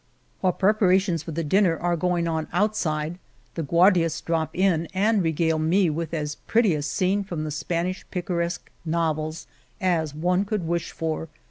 While preparations for the dinner are going on outside, the Guardias drop in and regale me with as pretty a scene from the Spanish picaresque novels as one could wish for.